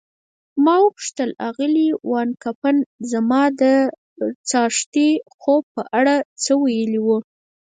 ما وپوښتل: آغلې وان کمپن زما د څاښتي خوب په اړه څه ویلي وو؟